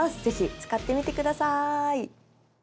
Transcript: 是非使ってみてください。